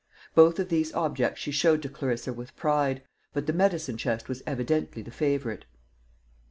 Both of these objects she showed to Clarissa with pride, but the medicine chest was evidently the favourite.